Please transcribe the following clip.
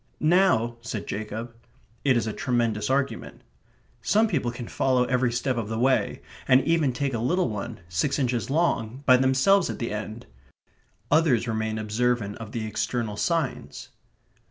"Now..." said Jacob. It is a tremendous argument. Some people can follow every step of the way, and even take a little one, six inches long, by themselves at the end; others remain observant of the external signs.